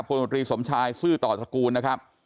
มตรีสมชายซื่อต่อตระกูลนะครับ